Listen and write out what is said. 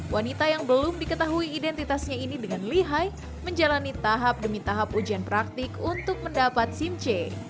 wanita yang belum diketahui identitasnya ini dengan lihai menjalani tahap demi tahap ujian praktik untuk mendapat simc